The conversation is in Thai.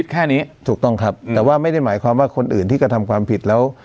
แค่นี้ถูกต้องครับแต่ว่าไม่ได้หมายความว่าคนอื่นที่กระทำความผิดแล้ว